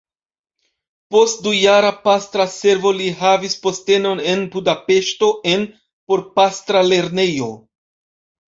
Post dujara pastra servo li havis postenon en Budapeŝto en porpastra lernejo.